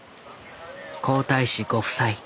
皇太子ご夫妻